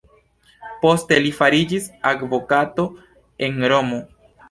Poste li fariĝis advokato en Romo.